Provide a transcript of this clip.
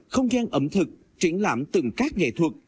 không gian ẩm thực triển lãm từng các nghệ thuật